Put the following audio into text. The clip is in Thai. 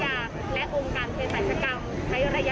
ใน๑กล่องก็มีวัคซีนเป็นหลอดรวมทั้งหมด๔๐หล่อนะคะ